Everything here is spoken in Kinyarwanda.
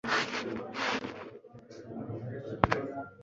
nkikijwe n'ifumbire